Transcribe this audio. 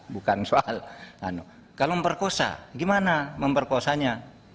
bukan soal kalau memperkosa gimana memperkosanya